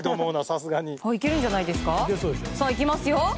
さあ、いきますよ。